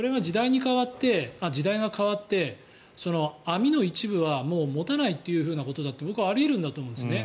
それが時代が変わって網の一部はもう持たないということだって僕はあり得るんだと思うんですね。